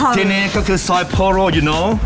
ทีนี้ก็คือซอยโปโลยูโน้ว